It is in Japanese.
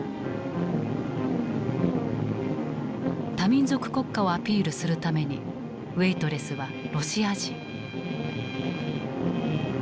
多民族国家をアピールするためにウエイトレスはロシア人。